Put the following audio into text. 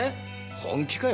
本気かよ